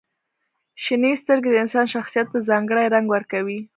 • شنې سترګې د انسان شخصیت ته ځانګړې رنګ ورکوي.